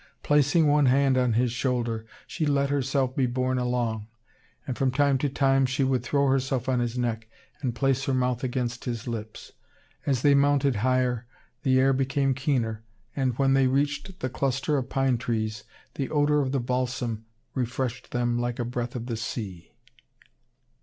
Placing one hand on his shoulder, she let herself be borne along; and, from time to time, she would throw herself on his neck and place her mouth against his lips. As they mounted higher, the air became keener; and, when they reached the cluster of pine trees, the odor of the balsam refreshed them like a breath of the sea.